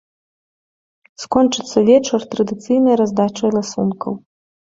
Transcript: Скончыцца вечар традыцыйнай раздачай ласункаў.